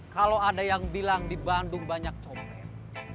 kalau ada yang bilang di bandung banyak compet